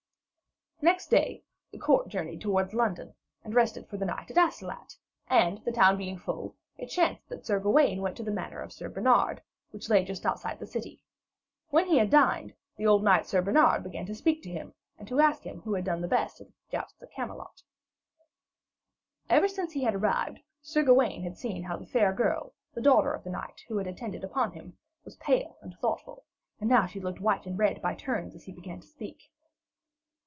Next day the court journeyed towards London, and rested for the night at Astolat; and the town being full, it chanced that Sir Gawaine went to the manor of Sir Bernard, which lay just outside the city. When he had dined, the old knight Sir Bernard began to speak to him, and to ask who had done the best at the jousts at Camelot. Ever since he had arrived, Sir Gawaine had seen how the fair girl, the daughter of the knight, who had attended upon him, was pale and thoughtful; and now she looked white and red by turns as he began to speak.